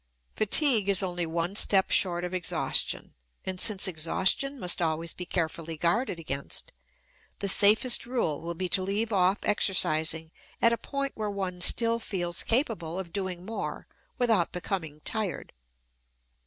Fatigue is only one step short of exhaustion and, since exhaustion must always be carefully guarded against, the safest rule will be to leave off exercising at a point where one still feels capable of doing more without becoming tired.